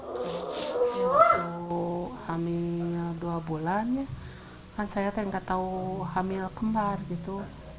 pas hamil dua bulannya kan saya kan gak tahu hamil kembar gitu